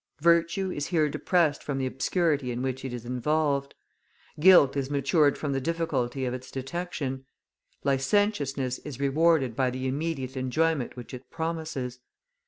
Virtue is here depressed from the obscurity in which it is involved. Guilt is matured from the difficulty of its detection; licentiousness is rewarded by the immediate enjoyment which it promises.